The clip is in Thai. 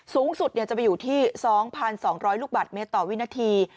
สูงสุดจะไปอยู่ที่๒๒๐๐ลูกบาทเมตรต่อวินาที